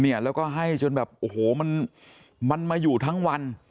เนี่ยแล้วก็ให้จนแบบโอ้โหมันมันมาอยู่ทั้งวัน